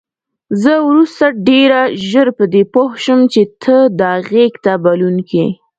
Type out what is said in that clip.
زه وروسته ډېره ژر په دې پوه شوم چې ته دا غېږ ته بلونکی.